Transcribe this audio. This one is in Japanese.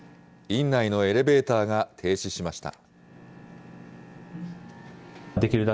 院内のエレベーターが停止しました。